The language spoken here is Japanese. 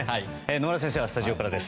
野村先生はスタジオからです。